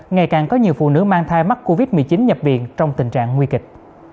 ngày càng có nhiều phụ nữ mang thai mắc covid một mươi chín nhập viện trong tình trạng nguy kịch